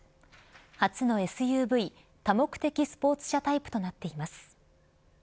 初の、ＳＵＶ＝多目的スポーツ車タイプとなっています。